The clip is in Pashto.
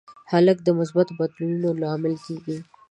هلک د مثبتو بدلونونو لامل کېږي.